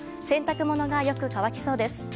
洗濯物はよく乾きそうです。